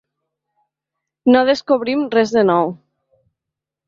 No descobrim res de nou.